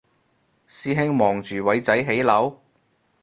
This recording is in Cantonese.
師兄望住偉仔起樓？